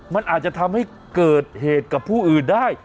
มันอาจจะทำให้เกิดเหตุกับผู้อื่นได้